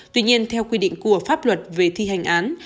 tuy nhiên theo quy định của pháp luật về thi hành án